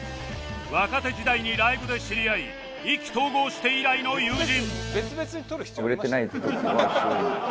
若手時代にライブで知り合い意気投合して以来の友人